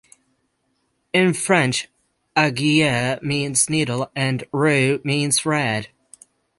In French "aiguille" means "needle" and "rouge" means "red".